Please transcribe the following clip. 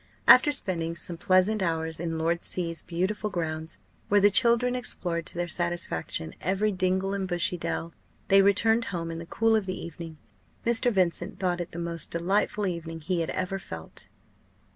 After spending some pleasant hours in Lord C 's beautiful grounds, where the children explored to their satisfaction every dingle and bushy dell, they returned home in the cool of the evening. Mr. Vincent thought it the most delightful evening he had ever felt.